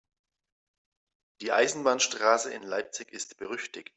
Die Eisenbahnstraße in Leipzig ist berüchtigt.